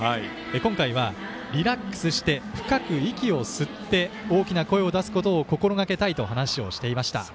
今回はリラックスして深く息を吸って大きな声を出すことを心がけたいと話をしていました。